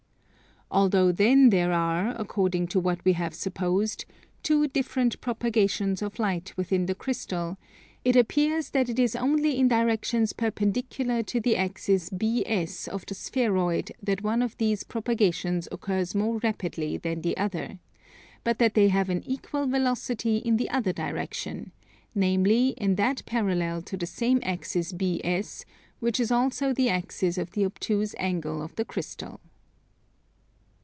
Although then there are, according to what we have supposed, two different propagations of light within the crystal, it appears that it is only in directions perpendicular to the axis BS of the spheroid that one of these propagations occurs more rapidly than the other; but that they have an equal velocity in the other direction, namely, in that parallel to the same axis BS, which is also the axis of the obtuse angle of the crystal.